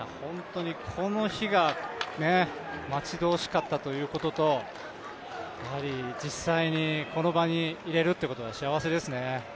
この日が待ち遠しかったということと、やはり実際にこの場にいられるということが幸せですね。